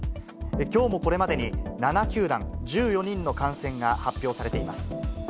きょうもこれまでに、７球団１４人の感染が発表されています。